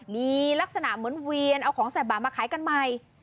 มีลักษณะเหมือนเวียนเอาของใส่บาปมาขายกันใหม่